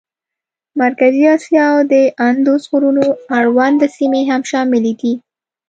مرکزي امریکا او د اندوس غرونو اړونده سیمې هم شاملې دي.